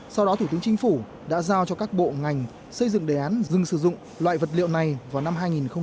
sau đó thủ tướng chính phủ đã giao cho các bộ ngành xây dựng đề án dừng sử dụng loại vật liệu này vào năm hai nghìn hai mươi